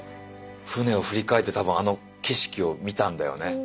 船を振り返って多分あの景色を見たんだよね。